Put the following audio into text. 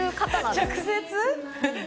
直接？